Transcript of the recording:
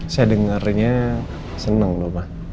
saya dengarnya seneng loh ma